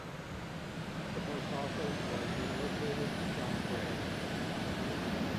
The post office was relocated from Breage.